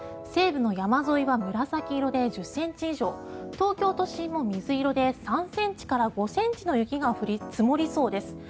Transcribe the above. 西部の山沿いは紫色で１０ｃｍ以上東京都心も水色で３ｃｍから５ｃｍの雪が降り積もりそうです。